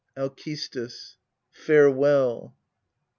Alcestis. Farewell.